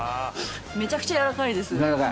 めちゃくちゃやわらかいです。